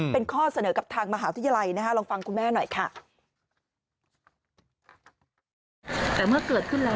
เป็นข้อเสนอกับทางมหาวิทยาลัยนะคะลองฟังคุณแม่หน่อยค่ะ